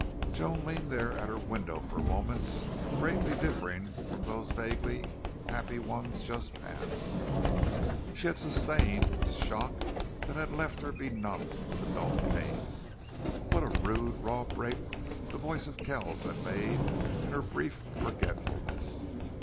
Joan leaned there at her window for moments greatly differing from those vaguely happy ones just passed. She had sustained a shock that had left her benumbed with a dull pain. What a rude, raw break the voice of Kells had made in her brief forgetfulness!